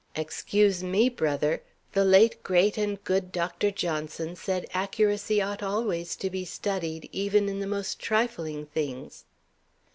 "Excuse me, brother, the late great and good Doctor Johnson said accuracy ought always to be studied even in the most trifling things."